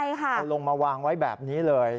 เอาลงมาวางไว้แบบนี้เลย